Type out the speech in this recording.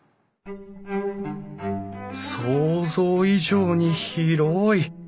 想像以上に広い！